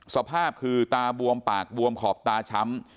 สภาพคือตาบวมปากบวมขอบตาช้ำ